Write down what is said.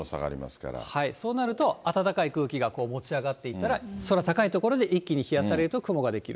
そうなると、暖かい空気が持ち上がっていったら、空高い所で一気に冷やされると雲が出来る。